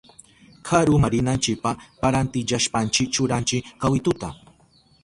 Karuma rinanchipa parantillashpanchi churanchi kawituta.